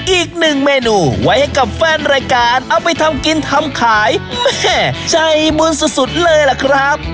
อีกหนึ่งเมนูไว้ให้กับแฟนรายการเอาไปทำกินทำขายแม่ใจบุญสุดเลยล่ะครับ